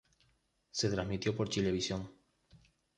Se transmitió por Chilevisión.